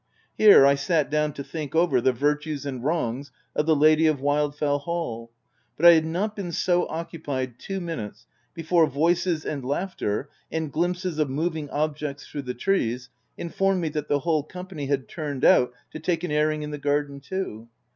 Here I sat down to think over the virtues and wrongs of the lady of Wildfell Hall ; but I had not been so occupied two minutes, before voices and laughter, and glimpses of moving objects through the trees, informed me that the whole company had turned out to take an airing in the garden too.